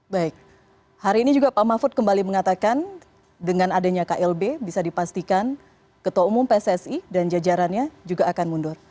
baik hari ini juga pak mahfud kembali mengatakan dengan adanya klb bisa dipastikan ketua umum pssi dan jajarannya juga akan mundur